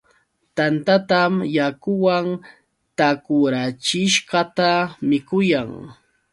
Tantatam yakuwan takurachishqata mikuyan.